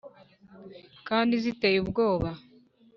kandi ziteye ubwoba,